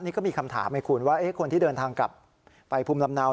นี่ก็มีคำถามให้คุณว่าคนที่เดินทางกลับไปภูมิลำเนา